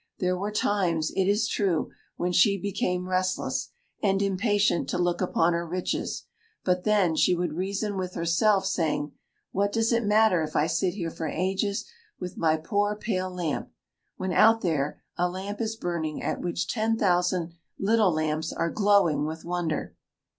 There were times, it is true, when she became restless, and impatient to look upon her riches, but then she would reason with herself, saying, "What does it matter if I sit here for ages with my poor pale lamp, when out there a lamp is burning at which ten thousand little lamps are glowing with wonder?"